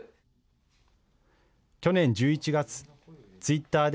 去年１１月、ツイッターで＃